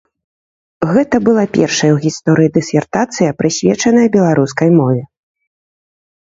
Гэта была першая ў гісторыі дысертацыя, прысвечаная беларускай мове.